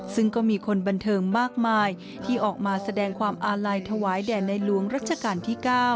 ซึ่งก็มีคนบันเทิงมากมายที่ออกมาแสดงความอาลัยถวายแด่ในหลวงรัชกาลที่๙